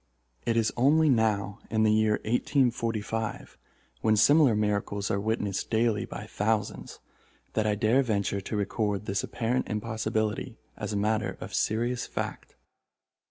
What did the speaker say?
It is only now, in the year 1845, when similar miracles are witnessed daily by thousands, that I dare venture to record this apparent impossibility as a matter of serious fact.